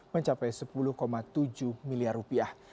mencapai sepuluh tujuh miliar rupiah